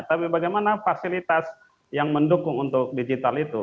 tapi bagaimana fasilitas yang mendukung untuk digital itu